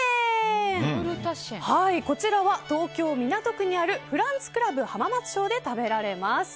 こちらは、東京・港区にあるフランツクラブ浜松町で食べられます。